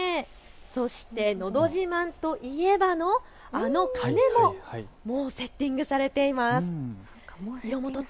そしてのど自慢といえばのあの鐘ももうセッティングされています。